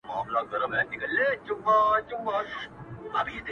د زړگي غوښي مي د شپې خوراك وي;